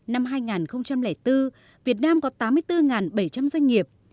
năm hai nghìn bốn việt nam có tám mươi bốn bảy trăm linh doanh nghiệp